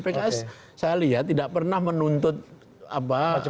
pks saya lihat tidak pernah menuntut harga mati harga mati